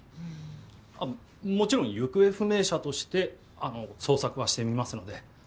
もちろん行方不明者として捜索はしてみますので。